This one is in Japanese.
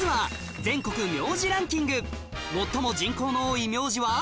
まずは最も人口の多い名字は？